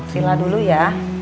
sila dulu ya